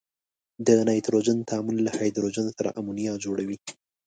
د نایتروجن تعامل له هایدروجن سره امونیا جوړوي.